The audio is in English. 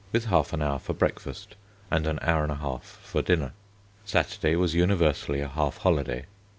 with half an hour for breakfast, and an hour and a half for dinner. Saturday was universally a half holiday.